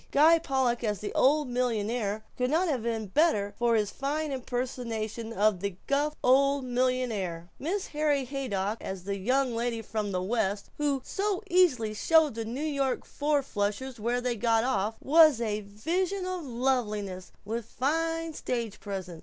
Guy Pollock as the old millionaire could not have been bettered for his fine impersonation of the gruff old millionaire; Mrs. Harry Haydock as the young lady from the West who so easily showed the New York four flushers where they got off was a vision of loveliness and with fine stage presence.